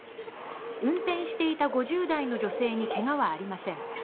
運転していた５０代の女性に怪我はありません。